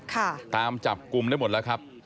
ค่ะตามจับกลุ่มได้หมดแล้วครับ